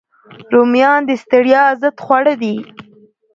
رومیان د ستړیا ضد خواړه دي